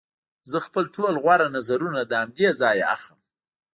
زه خپل ټول غوره نظرونه له همدې ځایه اخلم